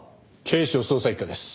警視庁捜査一課です。